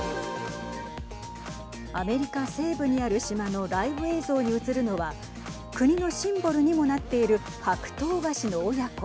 アメリカ西部にある島のライブ映像に映るのは国のシンボルにもなっているハクトウワシの親子。